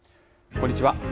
こんにちは。